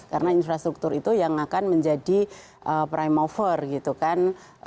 karena infrastruktur itu yang akan menjadi prime over gitu kan